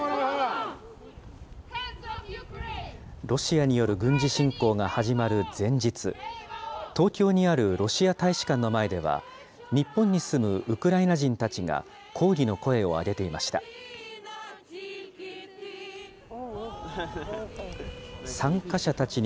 ロシアによる軍事侵攻が始まる前日、東京にあるロシア大使館の前では、日本に住むウクライナ人たちが抗議の声を上げていました。